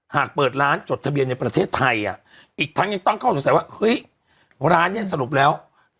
หากเปิดร้านจดทะเบียนในประเทศไทยอีกทั้งยังตั้งข้อสงสัยว่าเฮ้ยร้านเนี่ยสรุปแล้ว